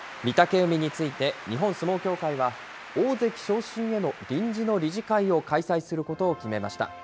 御嶽海について、日本相撲協会は、大関昇進への臨時の理事会を開催することを決めました。